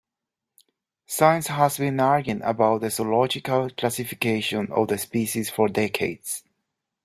Science has been arguing about the zoological classification of the species for decades.